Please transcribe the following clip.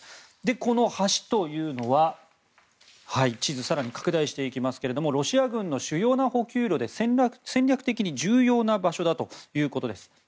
この橋というのは、地図を更に拡大していきますけれどもロシア軍の主要な補給路で戦略的に重要な場所だということです。